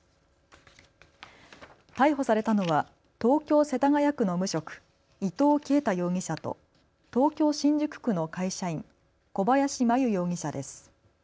逮捕されたのは東京世田谷区の無職、伊藤啓太容疑者と東京新宿区の会社員、小林真優容疑者です。